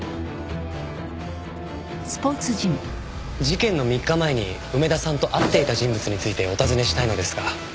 事件の３日前に梅田さんと会っていた人物についてお尋ねしたいのですが。